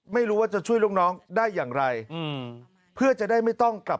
ไม่รู้ว่าจะช่วยลูกน้องได้อย่างไรอืมเพื่อจะได้ไม่ต้องกลับ